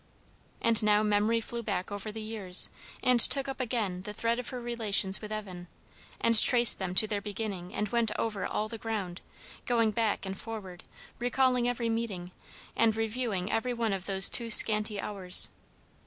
And now memory flew back over the years, and took up again the thread of her relations with Evan, and traced them to their beginning; and went over all the ground, going back and forward, recalling every meeting, and reviewing every one of those too scanty hours.